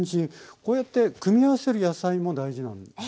こうやって組み合わせる野菜も大事なんですね。